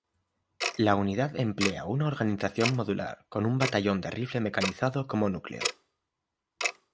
La unidad emplea una organización modular con un batallón de rifle mecanizado como núcleo.